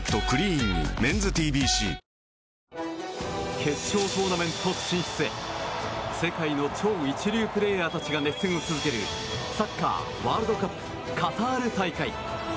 決勝トーナメント進出へ世界の超一流プレーヤーたちが熱戦を続けるサッカーワールドカップカタール大会。